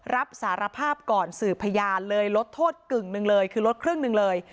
รับสารภาพก่อนสืบพยานเลยลดโทษกึ่งหนึ่งเลยคือลดครึ่งหนึ่งเลย